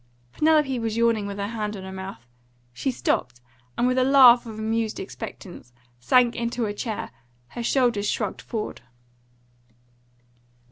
Penelope was yawning with her hand on her mouth; she stopped, and, with a laugh of amused expectance, sank into a chair, her shoulders shrugged forward.